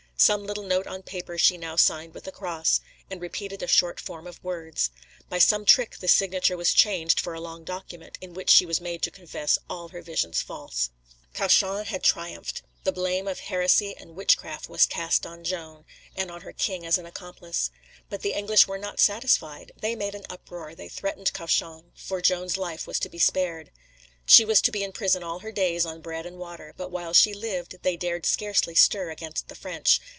Some little note on paper she now signed with a cross, and repeated a short form of words. By some trick this signature was changed for a long document, in which she was made to confess all her visions false. Cauchon had triumphed. The blame of heresy and witchcraft was cast on Joan, and on her king as an accomplice. But the English were not satisfied; they made an uproar, they threatened Cauchon, for Joan's life was to be spared. She was to be in prison all her days, on bread and water, but while she lived they dared scarcely stir against the French.